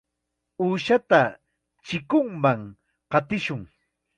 Uushata chikunman qatishun.